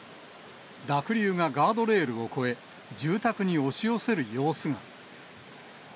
濁流がガードレールを越え、住宅に押し寄せる様子が。